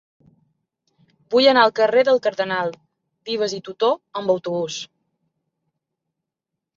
Vull anar al carrer del Cardenal Vives i Tutó amb autobús.